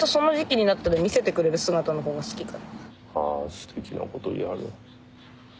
すてきなこと言いはる。